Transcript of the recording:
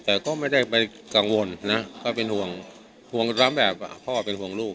แต่ก็ไม่ได้ไปกังวลนะก็เป็นห่วงห่วงซ้ำแบบพ่อเป็นห่วงลูก